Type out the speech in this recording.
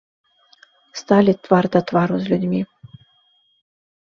Сталі твар да твару з людзьмі.